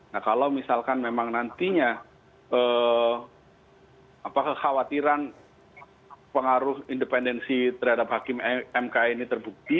nah kalau misalkan memang nantinya kekhawatiran pengaruh independensi terhadap hakim mk ini terbukti